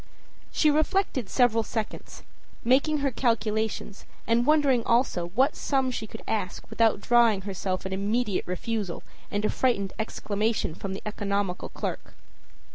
â She reflected several seconds, making her calculations and wondering also what sum she could ask without drawing on herself an immediate refusal and a frightened exclamation from the economical clerk.